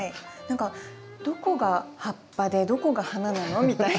何かどこが葉っぱでどこが花なのみたいな。